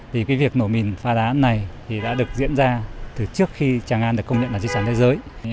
vì việc nổ mìn phá đá này đã được diễn ra từ trước khi trang an được công nhận là di sản thế giới